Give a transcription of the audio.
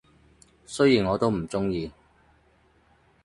雖然我都唔鍾意